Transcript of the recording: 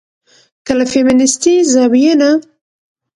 که له فيمنستي زاويې نه